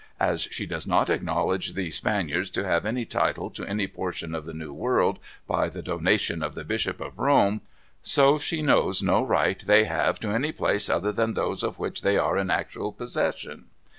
As she does not acknowledge the Spaniards to have any title to any portion of the New World by the donation of the Bishop of Rome, so she knows no right they have to any places other than those of which they are in actual possession.